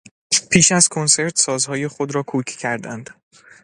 پیش از کنسرت، سازهای خود را کوک کردند.